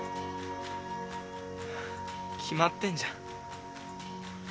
決まってんじゃん。